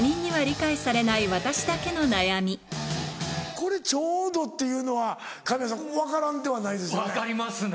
これちょうどっていうのは神谷さん分からんではないですよね。